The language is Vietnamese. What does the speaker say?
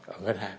ở ngân hàng